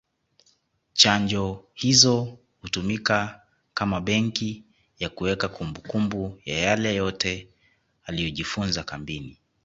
Chanjo hizo hutumika kama benki ya kuweka kumbukumbu ya yale yote aliyojifunza kambini